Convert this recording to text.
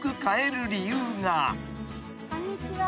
こんにちは。